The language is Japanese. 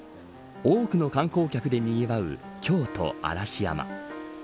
多くの観光客でにぎわう京都嵐山。